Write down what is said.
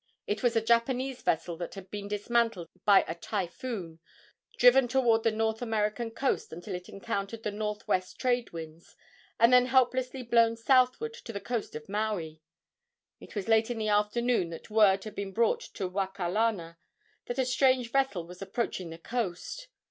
It was a Japanese vessel that had been dismantled by a typhoon, driven toward the North American coast until it encountered the northwest trade winds, and then helplessly blown southward to the coast of Maui. It was late in the afternoon that word had been brought to Wakalana that a strange vessel was approaching the coast.